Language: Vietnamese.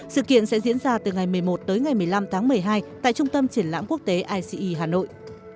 sự kiện sẽ diễn ra từ ngày một mươi một tới ngày một mươi năm tháng một mươi hai tại trung tâm triển lãm quốc tế ice hà nội